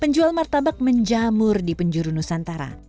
penjual martabak menjamur di penjuru nusantara